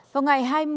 vào ngày hai mươi